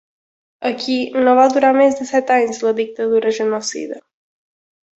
Aquí no va durar més de set anys la dictadura genocida.